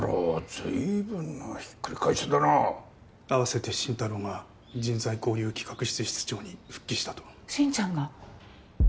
ずいぶんなひっくり返しだなあわせて心太朗が人材交流企画室室長に復帰したと心ちゃんが！？